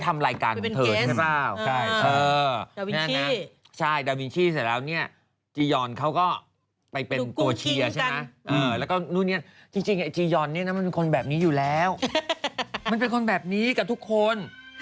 มันเป็นคนแบบนึยกับทุกคน